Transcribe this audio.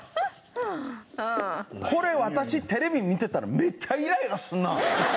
これ私テレビ見てたらめっちゃイライラするな。